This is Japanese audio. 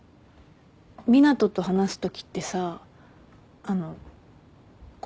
湊斗と話すときってさあの声？